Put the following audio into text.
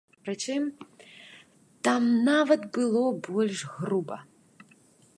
Прычым, там нават было больш груба.